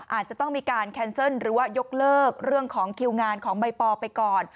อาจจะต้องมีการแคนเซิลหรือว่ายกเลิกเรื่องของคิวงานของใบปอไปก่อน